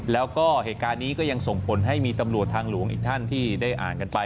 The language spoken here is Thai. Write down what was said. แล้วก็เหตุการณ์นี้ก็ยังส่งผลให้มีตำรวจทางหลวงอีกท่านที่ได้อ่านกันไป